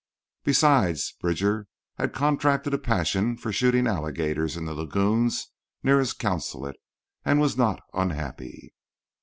Besides, Bridger had contracted a passion for shooting alligators in the lagoons near his consulate, and was not unhappy.